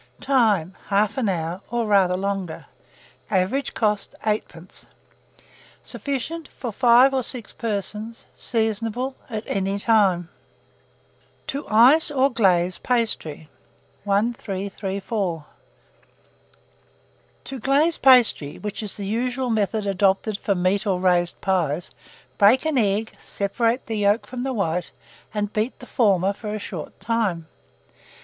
Time. 1/2 hour, or rather longer. Average cost, 8d. Sufficient for 5 or 6 persons. Seasonable at any time. TO ICE OR GLAZE PASTRY. 1334. To glaze pastry, which is the usual method adopted for meat or raised pies, break an egg, separate the yolk from the white, and beat the former for a short time.